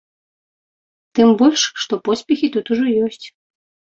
Тым больш, што поспехі тут ужо ёсць.